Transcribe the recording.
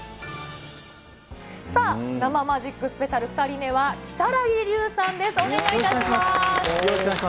さあ、生マジックスペシャル、２人目は如月琉さんです。